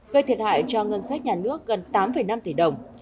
gây thiệt hại cho ngân sách nhà nước gần tám năm tỷ đồng